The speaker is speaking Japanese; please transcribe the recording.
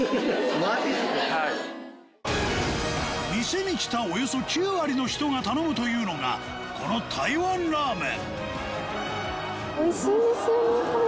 店に来たおよそ９割の人が頼むというのがこの台湾ラーメン